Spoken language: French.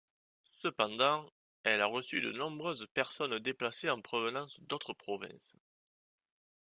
Cependant, elle a reçu de nombreuses personnes déplacées en provenance d'autres provinces.